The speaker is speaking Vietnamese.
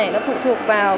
nó phụ thuộc vào